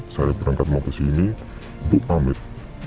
saya berangkat ke sini untuk amit